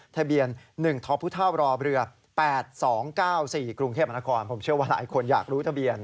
ทะเบียน๑ทพรอเรือ๘๒๙๔กรุงเทพมนครผมเชื่อว่าหลายคนอยากรู้ทะเบียน